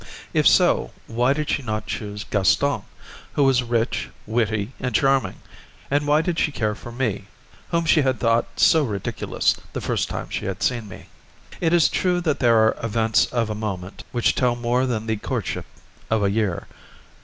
If so, why did she not choose Gaston, who was rich, witty, and charming, and why did she care for me, whom she had thought so ridiculous the first time she had seen me? It is true that there are events of a moment which tell more than the courtship of a year.